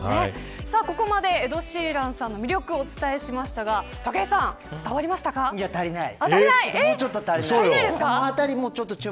ここまでエド・シーランさんの魅力をお伝えしましたがいや足りない。